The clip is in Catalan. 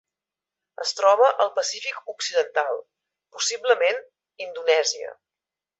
Es troba al Pacífic occidental: possiblement, Indonèsia.